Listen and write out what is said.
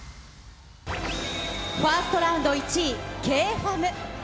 ファーストラウンド１位、Ｋｆａｍ。